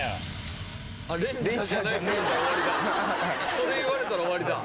それ言われたら終わりだ。